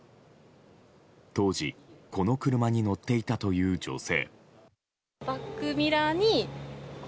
当時、この車に乗っていたという女性。